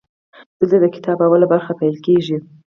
دلته د کتاب لومړۍ برخه پیل کیږي.